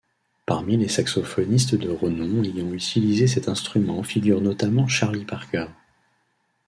Parmi les saxophonistes de renom ayant utilisé cet instrument figure notamment Charlie Parker.